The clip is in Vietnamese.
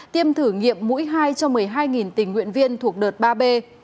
tiêm thử nghiệm mũi hai cho một mươi hai tình nguyện viên thuộc đợt ba b